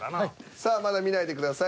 さあまだ見ないでください